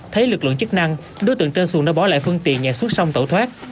thấy lực lượng chức năng đối tượng trên xuồng đã bỏ lại phương tiện nhạc xuất sông tẩu thoát